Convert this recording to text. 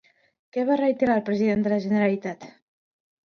Què va reiterar el president de la Generalitat?